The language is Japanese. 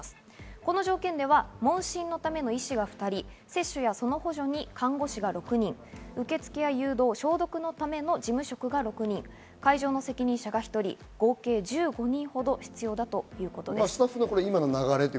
この条件では問診のための医師が２人、接種やその補助に看護師が６人、受け付けや誘導消毒のための事務職が６人、会場の責任者１人、合計１５人ほど必要だということです。